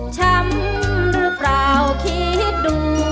ช้ำหรือเปล่าคิดดู